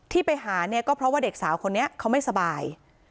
ที่ไปหาเนี่ยก็เพราะว่าเด็กสาวคนนี้เขาไม่สบาย